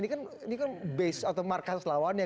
ini kan base atau markas lawannya